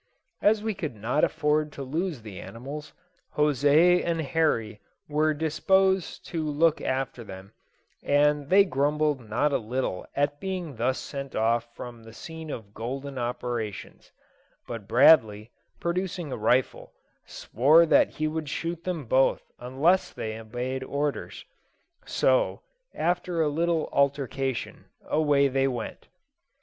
As we could not afford to lose the animals, José and Horry were despatched lo look after them, and they grumbled not a little at being thus sent off from the scene of golden operations; but Bradley, producing a rifle, swore that he would shoot them both unless they obeyed orders; so, after a little altercation, away they went.